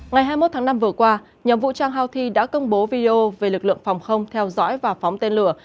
ngày hai mươi một tháng năm vừa qua nhóm vũ trang houthi đã công bố video về lực lượng phòng không theo dõi và phóng tên lửa